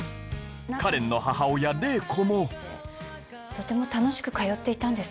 花恋の母親麗子もとても楽しく通っていたんです。